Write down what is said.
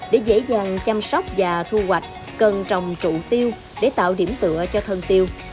để dễ dàng chăm sóc và thu hoạch cần trồng trụ tiêu để tạo điểm tựa cho thân tiêu